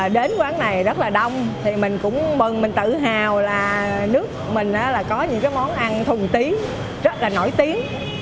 đến quán này rất là đông thì mình cũng tự hào là nước mình có những món ăn thuần tí rất là nổi tiếng